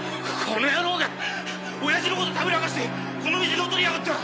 この野郎がおやじのことたぶらかしてこの店乗っ取りやがった！